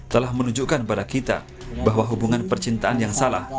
telah menunjukkan pada kita bahwa hubungan percintaan yang salah